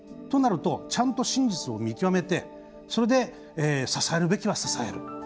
ちゃんと真実を見極めてそれで支えるべきは支える。